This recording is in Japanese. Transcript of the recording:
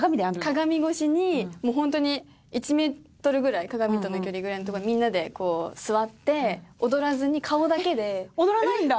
鏡越しにもうホントに１メートルぐらい鏡との距離ぐらいのところでみんなでこう座って踊らずに顔だけで。踊らないんだ？